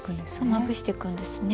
まぶしていくんですね。